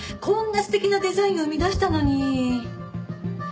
こんな素敵なデザインを生み出したのに。